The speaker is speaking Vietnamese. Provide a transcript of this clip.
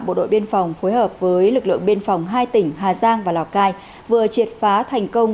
bộ đội biên phòng phối hợp với lực lượng biên phòng hai tỉnh hà giang và lào cai vừa triệt phá thành công